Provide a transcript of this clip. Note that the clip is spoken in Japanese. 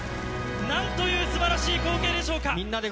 なんというすばらしい光景でしょうか。